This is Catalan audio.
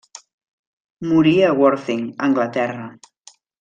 Morí a Worthing, Anglaterra.